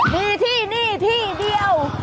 มีที่นี่ที่เดียว